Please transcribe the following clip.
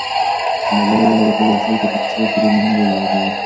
د مالدارۍ وده د کلي د خلکو په اقتصاد کې ډیر مهم رول لوبوي.